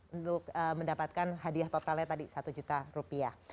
untuk mendapatkan hadiah totalnya tadi rp satu juta